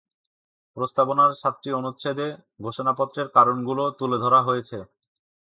প্রস্তাবনার সাতটি অনুচ্ছেদে ঘোষণাপত্রের কারণগুলো তুলে ধরা হয়েছে।